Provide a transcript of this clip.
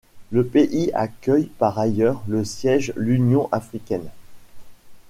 Le pays accueille par ailleurs le siège l'Union africaine.